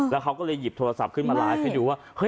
แล้วเขาก็เลยหยิบโทรศัพท์ขึ้นมาไลฟ์ให้ดูว่า